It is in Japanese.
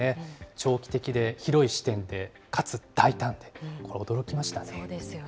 長期的に広い視点でかつ大胆で、これ、驚きましたね。